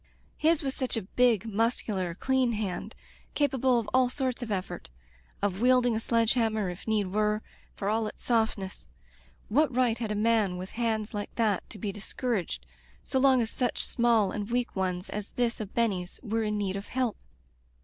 His was such a big, mus cular, clean hand — capable of all sorts of effort — of wielding a sledge hanuner, if need were, for all its softness. What right had a man with hands like that to be discouraged, so long as such small and weak ones as this of Benny's were in need of help